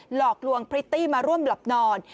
หลอกลวงพริตตี้มาร่วมหลับนอน